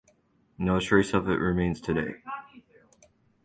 No trace of it remains today.